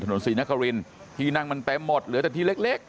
ถนนศรีนักษรินทร์ทีนั่งมันไปหมดเหลือแต่ทีเล็กเล็ก